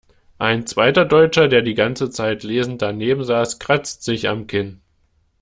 Ein zweiter Deutscher, der die ganze Zeit lesend daneben saß, kratzt sich am Kinn.